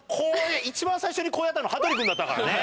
一番最初にこうやったの羽鳥君だったからね。